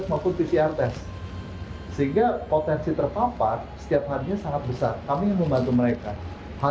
maupun pcr test sehingga potensi terpapar setiap harinya sangat besar kami membantu mereka hal